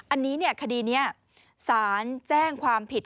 อันนี้คดีนี้สารแจ้งความผิด